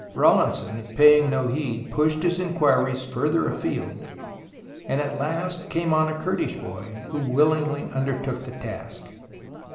Rawlinson, paying no heed, pushed his inquiries further afield, and at last came on a Kurdish boy who willingly undertook the task.